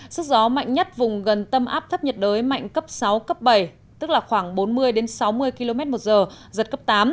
sức gió mạnh nhất vùng gần tâm áp thấp nhiệt đới mạnh cấp sáu cấp bảy tức là khoảng bốn mươi sáu mươi km một giờ giật cấp tám